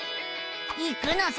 行くのさ！